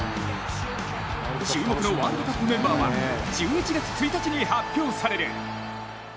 注目のワールドカップメンバーは１１月１日に発表される。